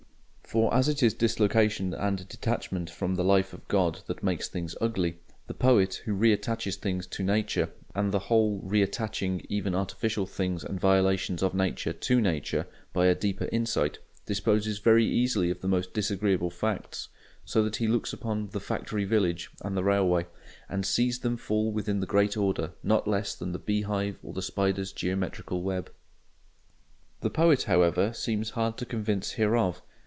"For as it is dislocation and detachment from the life of God that makes things ugly, the poet, who re attaches things to Nature and the whole—re attaching even artificial things and violations of Nature to Nature by a deeper insight—disposes very easily of the most disagreeable facts"; so that he looks upon "the factory village and the railway" and "sees them fall within the great Order not less than the bee hive or the spider's geometrical web." The poet, however, seems hard to convince hereof.